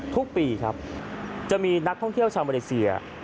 ทุกปีครับจะมีนักท่องเที่ยวชาวมาเลเซีย